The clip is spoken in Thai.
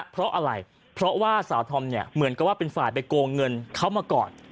เพราะอะไรเพราะว่าสาวธอมเนี่ยเหมือนกับว่าเป็นฝ่ายไปโกงเงินเขามาก่อน